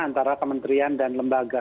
antara kementerian dan lembaga